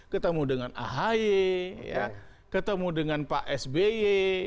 ketemu dengan ahy ketemu dengan pak sby